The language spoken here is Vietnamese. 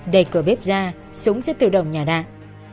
đẩy cửa bếp ra súng sẽ tự động nhả đạn